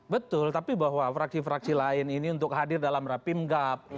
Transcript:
betul tapi bahwa fraksi fraksi lain ini untuk hadir dalam rapim gap